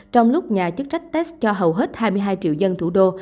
trong lúc nhà chức trách test cho hầu hết hai mươi hai triệu dân thủ đô